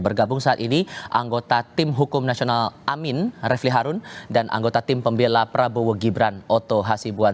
bergabung saat ini anggota tim hukum nasional amin refli harun dan anggota tim pembela prabowo gibran oto hasibuan